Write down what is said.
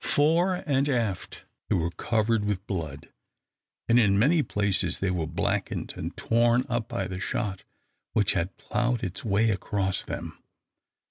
Fore and aft they were covered with blood, and in many places they were blackened and torn up by the shot which had ploughed its way across them.